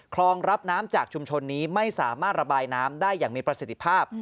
รับน้ำจากชุมชนนี้ไม่สามารถระบายน้ำได้อย่างมีประสิทธิภาพ